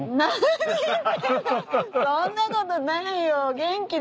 そんなことないよ元気ですよ。